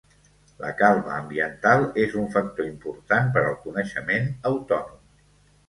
La calma ambiental és un factor important per al coneixement autònom.